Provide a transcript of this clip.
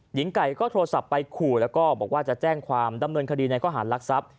หญิงไก่ก็โทรศัพท์ไปขู่แล้วก็บอกว่าจะแจ้งความดำเนินคดีในข้อหารลักทรัพย์